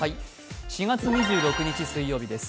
４月２６日水曜日です。